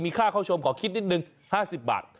ค่าเข้าชมขอคิดนิดนึง๕๐บาท